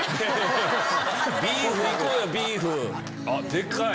でかい！